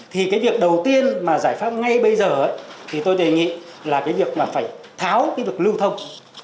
thì cái việc đầu tiên mà giải pháp ngay bây giờ thì tôi đề nghị là cái việc mà phải tháo cái việc lưu thông